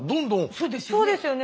そうですよね。